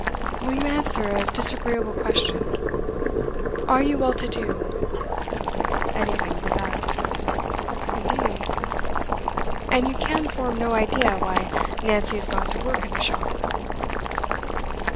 'Will you answer a disagreeable question? Are you well to do?' 'Anything but that.' 'Indeed? And you can form no idea why Nancy has gone to work in a shop?